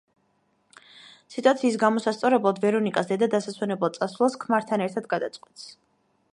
სიტუაციის გამოსასწორებლად ვერონიკას დედა დასასვენებლად წასვლას ქმართან ერთად გადაწყვეტს.